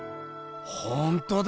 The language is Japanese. ほんとだ！